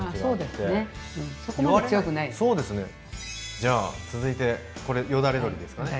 じゃあ続いてこれよだれ鶏ですかね。